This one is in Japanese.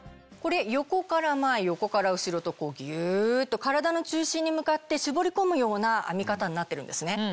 これ横から前横から後ろとギュっと体の中心に向かって絞り込むような編み方になってるんですね。